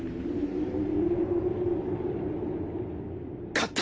勝った！